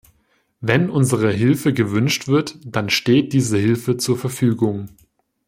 Wenn unsere Hilfe gewünscht wird, dann steht diese Hilfe zur Verfügung.